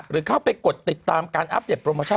หรือเข้าไปกดติดตามการอัปเดตโปรโมชั่น